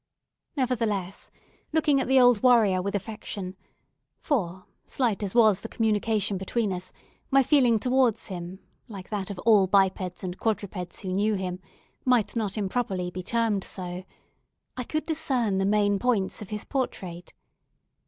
Nevertheless, looking at the old warrior with affection—for, slight as was the communication between us, my feeling towards him, like that of all bipeds and quadrupeds who knew him, might not improperly be termed so,—I could discern the main points of his portrait.